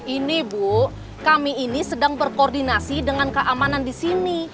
ini bu kami ini sedang berkoordinasi dengan keamanan di sini